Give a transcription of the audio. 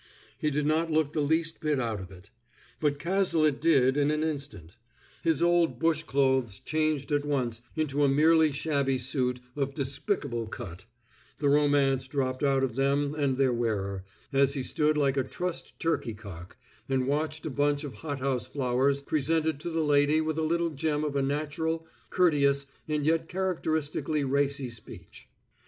He did not look the least bit out of it. But Cazalet did, in an instant; his old bush clothes changed at once into a merely shabby suit of despicable cut; the romance dropped out of them and their wearer, as he stood like a trussed turkey cock, and watched a bunch of hothouse flowers presented to the lady with a little gem of a natural, courteous, and yet characteristically racy speech.